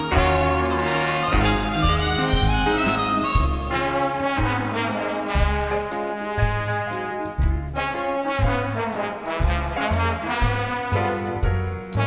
ทานวัลรักษณะสุดท้าย